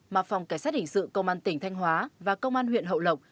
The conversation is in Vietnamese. mà phòng cảnh sát hình sự công an tỉnh thanh hóa và công an huyện hậu lộc